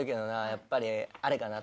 やっぱりあれかな。